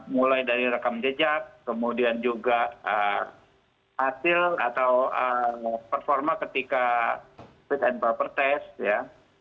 mulai dari rekam jejak kemudian juga hasil atau performa ketika fit and proper test ya